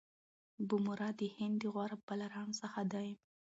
بومراه د هند د غوره بالرانو څخه دئ.